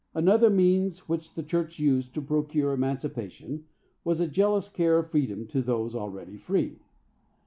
Another means which the church used to procure emancipation was a jealous care of the freedom of those already free.